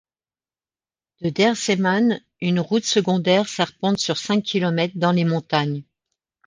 De Deir Seman, une route secondaire serpente sur cinq kilomètres dans les montagnes.